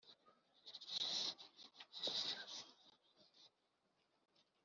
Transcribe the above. Nyamara ibitabo inyandiko ndangabitabo